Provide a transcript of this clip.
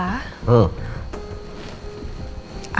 aku ke kantin lu sebentar ya